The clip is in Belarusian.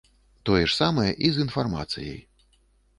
Тое ж самае і з інфармацыяй.